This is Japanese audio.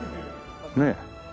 ねえ。